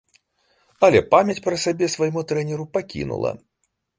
Але памяць пра сябе свайму трэнеру пакінула.